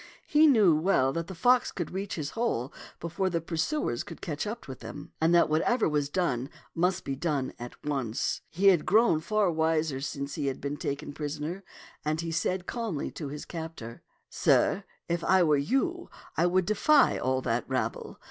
He knew well that the fox could reach his hole before the pursuers could catch up with him, and that whatever was done must be done at once. He had grown far wiser since he had been taken prisoner, and he said calmly to his captor, "Sir, if I were you, I would defy all that rabble.